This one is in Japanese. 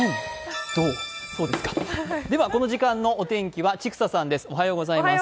この時間のお天気は千種さんです。